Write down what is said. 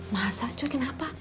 masa cu kenapa